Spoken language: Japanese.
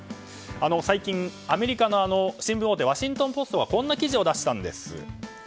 最近、アメリカの新聞大手ワシントン・ポストがこんな記事を出したんです。